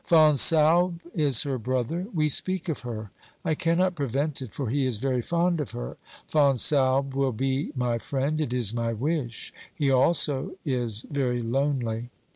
Fonsalbe is her brother. We speak of her ; I cannot pre vent it, for he is very fond of her. Fonsalbe will be my friend, it is my wish ; he also is very lonely.